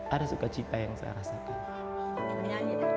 ada sukacita yang saya rasakan